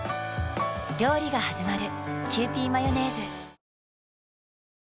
料理がはじまる。